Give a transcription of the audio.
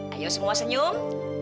ayo semua senyum